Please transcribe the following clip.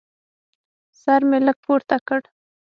سر مې لږ پورته کړ.